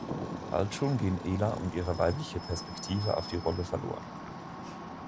Bald schon gehen Ela und ihre weibliche Perspektive auf die Rolle verloren.